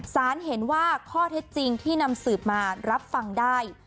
สารเห็นว่าข้อเท็จจริงที่นำสืบมารับฟังได้